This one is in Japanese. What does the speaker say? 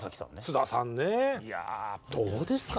菅田さんねどうですか？